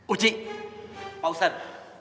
uci pak ustad